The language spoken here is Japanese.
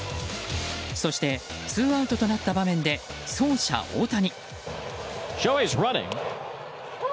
そして、ツーアウトとなった場面で走者・大谷。